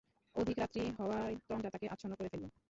অধিক রাত্রি হওয়ায় তন্দ্রা তাকে আচ্ছন্ন করে ফেলল।